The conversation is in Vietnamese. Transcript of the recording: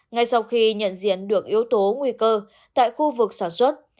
ngay sau khi nhận diện được yếu tố nguy cơ tại khu vực sản xuất